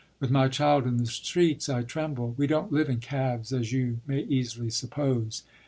With my child in the streets I tremble. We don't live in cabs, as you may easily suppose."